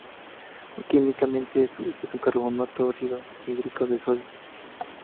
Químicamente es un carbonato ácido anhidro de sodio.